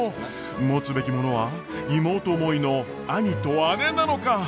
持つべきものは妹思いの兄と姉なのか？